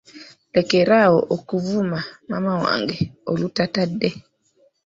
Lekera awo okuvuma maama wange olutatadde.